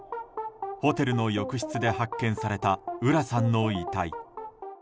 ホテルの浴室で発見された浦さんの遺体。